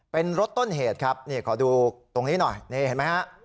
เป็นรถต้นเหตุครับนี่ขอดูตรงนี้หน่อยนี่เห็นไหมฮะ